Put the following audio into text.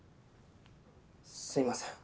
すみません